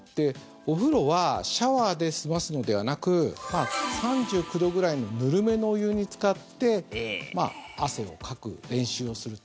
お風呂はシャワーで済ますのではなく３９度ぐらいのぬるめのお湯につかって汗をかく練習をすると。